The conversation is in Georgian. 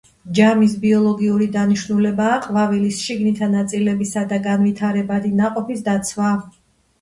ჯამის ბიოლოგიური დანიშნულებაა ყვავილის შიგნითა ნაწილებისა და განვითარებადი ნაყოფის დაცვა.